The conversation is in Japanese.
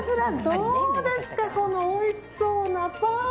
どうですかこのおいしそうなパン。